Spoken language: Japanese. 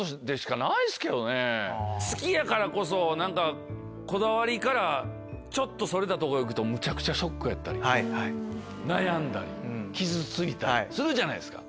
好きやからこそこだわりからちょっとそれたとこ行くとむちゃくちゃショックやったり悩んだり傷ついたりするじゃないですか。